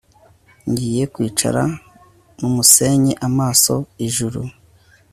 ngiye kwicara mu musenyi amaso ijuru